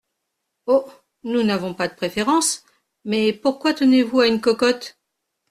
Oh ! nous n’avons pas de préférence, mais pourquoi tenez-vous à une cocotte ?